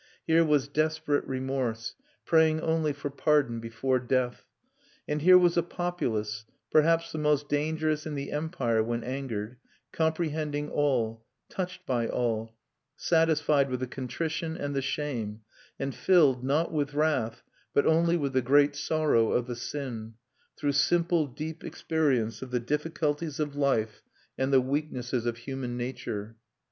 Here was desperate remorse, praying only for pardon before death. And here was a populace perhaps the most dangerous in the Empire when angered comprehending all, touched by all, satisfied with the contrition and the shame, and filled, not with wrath, but only with the great sorrow of the sin, through simple deep experience of the difficulties of life and the weaknesses of human nature.